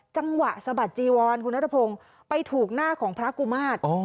จังหวะสะบัดจีวรคุณนัทพงศ์ไปถูกหน้าของพระกุมาตร